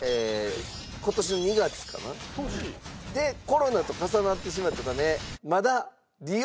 でコロナと重なってしまったため。